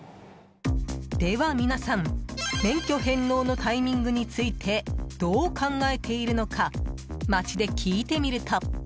では、皆さん免許返納のタイミングについてどう考えているのか街で聞いてみると。